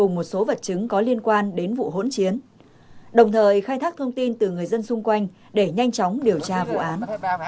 cùng một số vật chứng có liên quan đến vụ hỗn chiến đồng thời khai thác thông tin từ người dân xung quanh để nhanh chóng điều tra vụ án